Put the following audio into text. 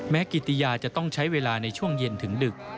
กิติยาจะต้องใช้เวลาในช่วงเย็นถึงดึก